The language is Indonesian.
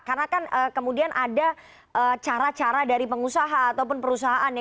karena kan kemudian ada cara cara dari pengusaha ataupun perusahaan ya